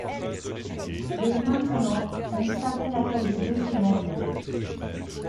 Et, maintenant, on savait laquelle des deux se vendait.